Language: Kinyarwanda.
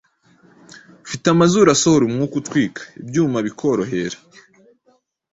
Mfite amazuru asohora umwuka utwika ibyuma bikorohera